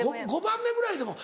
５番目ぐらいでも。